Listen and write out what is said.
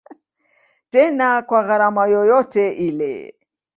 Tena kwa gharama yoyote ile.